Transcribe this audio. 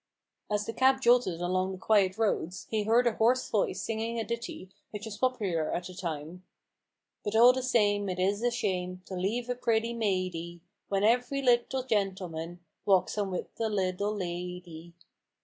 As the cab jolted along the quiet roads, he heard a hoarse voice singing a ditty which was popular at the time :—" But all the same, it is a shame To leave a pretty maidie, When every little gentleman Walks home with a little lady."